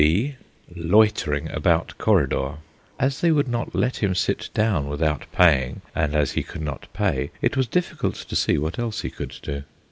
(b) Loitering about corridor. (As they would not let him sit down without paying, and as he could not pay, it was difficult to see what else he could do.)